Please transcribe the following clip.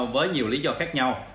với nhiều lý do khác nhau